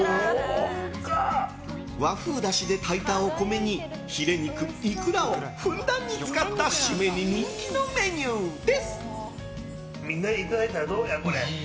和風だしで炊いたお米にヒレ肉、イクラをふんだんに使った締めに人気のメニューです。